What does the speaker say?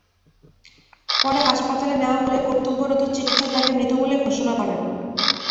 পরে হাসপাতালে নেওয়া হলে কর্তব্যরত চিকিৎসক তাঁকে মৃত বলে ঘোষণা করেন।